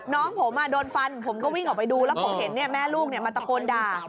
น้องผมโดนฟันผมก็วิ่งออกไปดูแล้วผมเห็นแม่ลูกมาตะโกนด่า